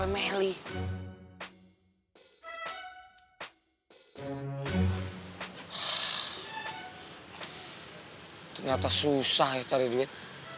emily ternyata susah ya tari duit